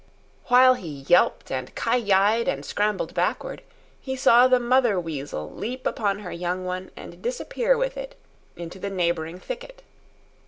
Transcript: While he yelped and ki yi'd and scrambled backward, he saw the mother weasel leap upon her young one and disappear with it into the neighbouring thicket.